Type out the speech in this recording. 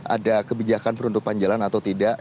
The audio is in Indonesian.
ada kebijakan penutupan jalan atau tidak